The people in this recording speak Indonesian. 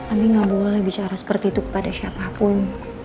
abi gak boleh bicara seperti itu kepada siapapun